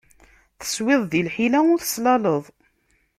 Teswiḍ di lḥila ur teslaleḍ.